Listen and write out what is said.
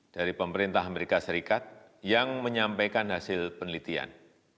dari pemerintah amerika serikat yang menyampaikan hasil penelitian